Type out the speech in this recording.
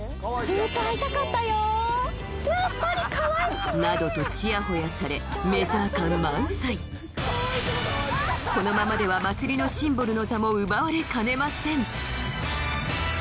やっぱりかわいいね！などとチヤホヤされメジャー感満載このままではまつりのシンボルの座も奪われかねません